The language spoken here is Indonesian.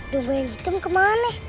domba yang hitam kemana